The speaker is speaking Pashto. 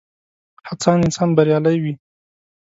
هڅاند انسان بريالی وي.